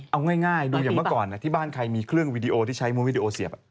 เอาง่ายดูอย่างเมื่อก่อนที่บ้านใครมีเครื่องวิดีโอที่ใช้มูลวิดีโอเสียบ